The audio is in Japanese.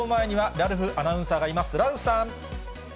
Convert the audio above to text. ラルフさん。